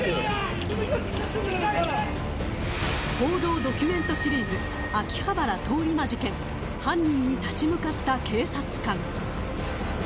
報道ドキュメントシリーズ「秋葉原通り魔事件犯人に立ち向かった警察官」。